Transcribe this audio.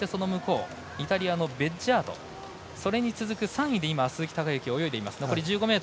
イタリアのベッジャートそれに続く３位で鈴木孝幸が泳いでいます。